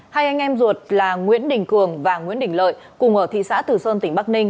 hai anh em ruột là nguyễn đình cường và nguyễn đình lợi cùng ở thị xã tử sơn tỉnh bắc ninh